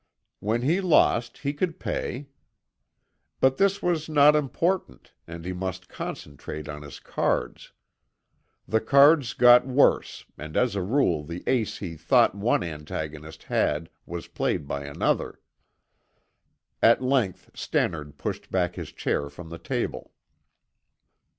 When he lost he could pay. But this was not important, and he must concentrate on his cards. The cards got worse and as a rule the ace he thought one antagonist had was played by another. At length Stannard pushed back his chair from the table.